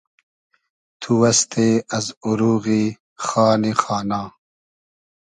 تو استې از اوروغی خانی خانا